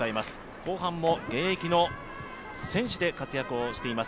後半も現役の選手で活躍をしています